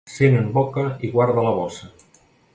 Cent en boca i guarda la bossa.